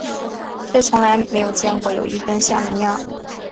却从来没有见过有一块根像人样